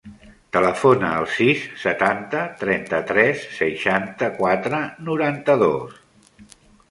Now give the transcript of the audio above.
Telefona al sis, setanta, trenta-tres, seixanta-quatre, noranta-dos.